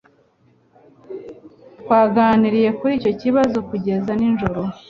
Twaganiriye kuri icyo kibazo kugeza nijoro.